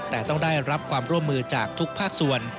แต่ต้องได้รับความร่วมมือจากทุกภาคส่วน